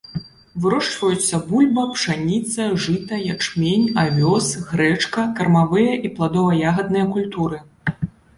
Вырошчваюцца бульба, пшаніца, жыта, ячмень, авёс, грэчка, кармавыя і пладова-ягадныя культуры.